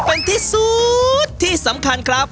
เป็นที่สุดที่สำคัญครับ